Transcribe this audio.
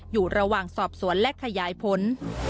อยู่ระหว่างสอบสวนและขยายผล